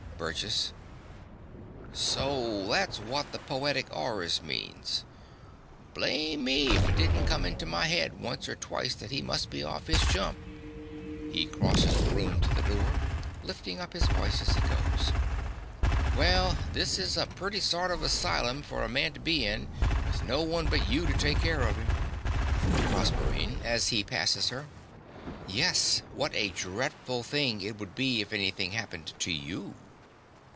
BURGESS. So that's wot the poetic 'orrors means. Blame me if it didn't come into my head once or twyst that he must be off his chump! (He crosses the room to the door, lifting up his voice as he goes.) Well, this is a pretty sort of asylum for a man to be in, with no one but you to take care of him! PROSERPINE (as he passes her). Yes, what a dreadful thing it would be if anything happened to YOU!